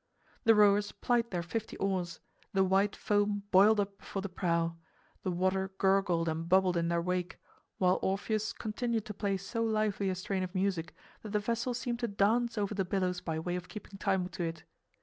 The rowers plied their fifty oars, the white foam boiled up before the prow, the water gurgled and bubbled in their wake, while Orpheus continued to play so lively a strain of music that the vessel seemed to dance over the billows by way of keeping time to it.